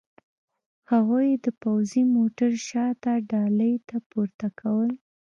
هغوی یې د پوځي موټر شاته ډالې ته پورته کول